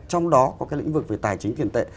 trong đó có cái lĩnh vực về tài chính tiền tệ